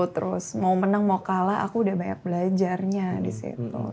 terus mau menang mau kalah aku udah banyak belajarnya di situ